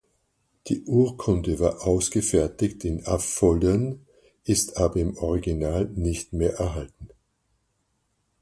Die Urkunde war ausgefertigt in Affoldern, ist aber im Original nicht mehr erhalten.